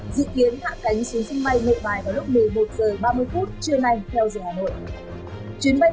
dự kiến hạ cánh xuống sân bay nội bài vào lúc một mươi một h ba mươi phút trưa nay theo giờ hà nội